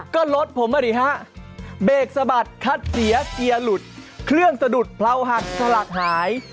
ก็รถผมมาดิฮะเบรกสะบัดคัดเสียเกียร์หลุดเครื่องสะดุดเพราหักสลักหาย